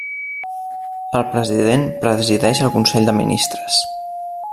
El president presideix el Consell de Ministres.